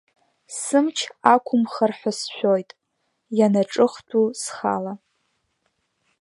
Сымч ақәымхар ҳәа сшәоит, ианаҿыхтәу, схала.